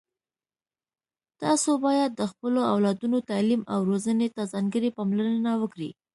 تاسو باید د خپلو اولادونو تعلیم او روزنې ته ځانګړي پاملرنه وکړئ